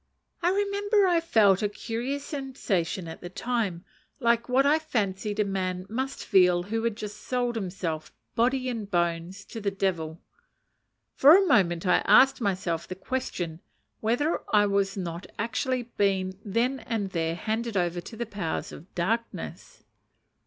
I remember I felt a curious sensation at the time, like what I fancied a man must feel who had just sold himself, body and bones, to the devil. For a moment I asked myself the question whether I was not actually being then and there handed over to the powers of darkness.